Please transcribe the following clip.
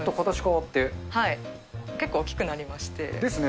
結構大きくなりまして。ですね。